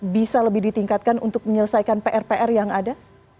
bisa lebih ditingkatkan untuk menyelesaikan pr pr yang ada